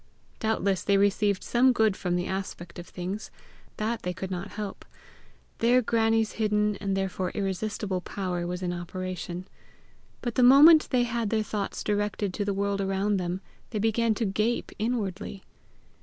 Doubtless they received some good from the aspect of things that they could not help; there Grannie's hidden, and therefore irresistible power was in operation; but the moment they had their thoughts directed to the world around them, they began to gape inwardly.